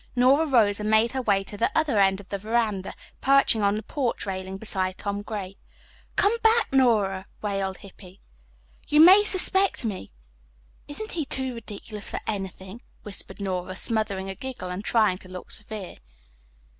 Nora rose and made her way to the other end of the veranda, perching on the porch railing beside Tom Gray. "Come back, Nora," wailed Hippy. "You may suspect me." "Isn't he too ridiculous for anything?" whispered Nora, smothering a giggle and trying to look severe.